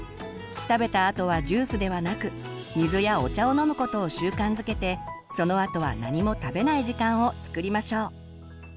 食べたあとはジュースではなく水やお茶を飲むことを習慣づけてそのあとは何も食べない時間をつくりましょう。